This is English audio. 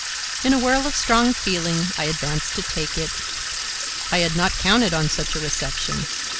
In a whirl of strong feeling I advanced to take it. I had not counted on such a reception.